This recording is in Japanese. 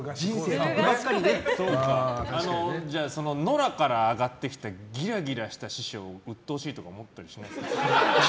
じゃあ、野良から上がってきたギラギラした師匠がうっとうしいとか思ったりしないですか？